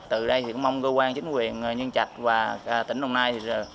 từ đây thì cũng mong cơ quan chính quyền nhân trạch và tỉnh đồng nai